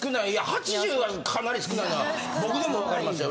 ８０はかなり少ないのは僕でもわかりますよ。